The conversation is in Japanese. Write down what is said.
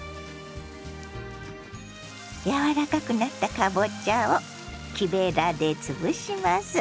柔らかくなったかぼちゃを木べらで潰します。